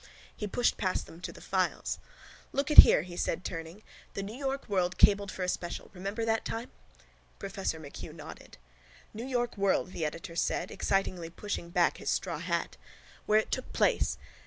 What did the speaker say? He pushed past them to the files. —Look at here, he said turning. The New York World cabled for a special. Remember that time? Professor MacHugh nodded. —New York World, the editor said, excitedly pushing back his straw hat. Where it took place.